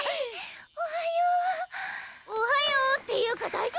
おはようおはようっていうか大丈夫？